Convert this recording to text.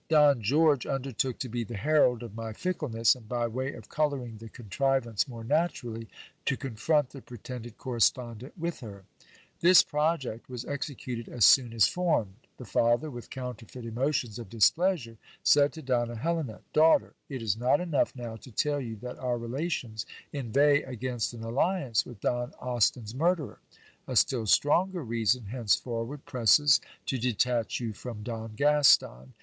Don George undertook to be the herald of my fickleness, and by way of colouring the contrivance more naturally, to confront the pretended correspondent with her. This project was executed as soon as formed. The father, with counterfeit emotions of displeasure, said to Donna Helena : Daughter, it is not enough now to tell you that our relations inveigh against an alliance with Don Austin's murderer ; a still stronger reason henceforward presses, to detach you from Don Gaston.